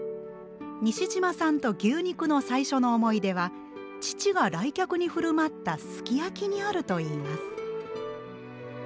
西島さんと牛肉の最初の思い出は父が来客に振る舞ったすき焼きにあるといいます。